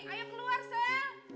ayo keluar sel